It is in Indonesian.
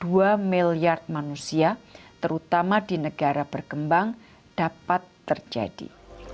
krisis beras yang dapat menyangkut dua miliar manusia terutama di negara berkembang dapat terjadi